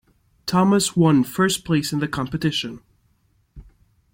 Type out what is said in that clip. Thomas one first place in the competition.